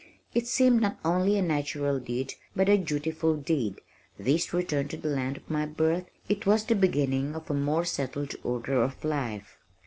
It seemed not only a natural deed but a dutiful deed, this return to the land of my birth, it was the beginning of a more settled order of life.